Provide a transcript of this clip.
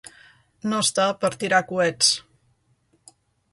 No estar per tirar coets.